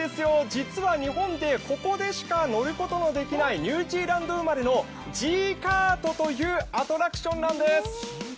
実は日本でここでしか乗ることのできないニュージーランド生まれのＧーＫＡＲＴというアトラクションなんです。